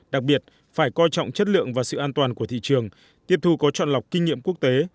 đặc biệt phải coi trọng chất lượng và sự an toàn của thị trường tiếp thu có chọn lọc kinh nghiệm quốc tế